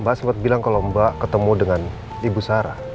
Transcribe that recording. mbak sempat bilang kalau mbak ketemu dengan ibu sarah